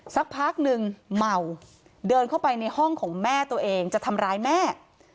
สักพักหนึ่งเมาเดินเข้าไปในห้องของแม่ตัวเองจะทำร้ายแม่